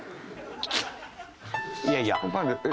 いやいや。